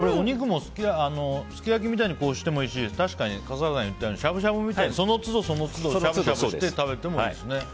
お肉もすき焼きみたいにしてもいいし確かに笠原さんが言ったようにしゃぶしゃぶみたいにその都度しゃぶしゃぶして食べてもいいですね。